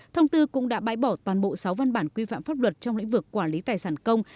thông tư cũng đã bãi bỏ toàn bộ sáu văn bản quy phạm pháp luật trong lĩnh vực quản lý tài sản công